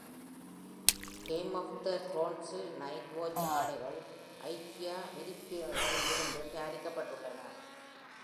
Game of த்ரோன்ஸில் night watch ஆடைகள் IKEA விரிப்புகளிலிருந்து தயாரிக்கப்பட்டள்ளன.